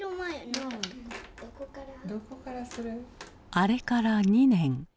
あれから２年。